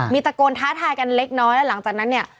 มีตะโกนท้าทายกันเล็กน้อยแล้วหลังจากนั้นเนี่ย